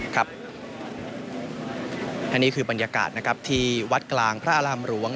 ครับอันนี้คือบรรยากาศที่วัดกลางพระอารามหลวง